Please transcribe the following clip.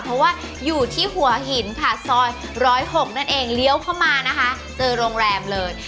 เพราะว่าอยู่ที่หัวหินค่ะซอย๑๐๖นั่นเองเลี้ยวเข้ามานะคะเจอโรงแรมเลย